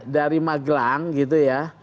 dari magelang gitu ya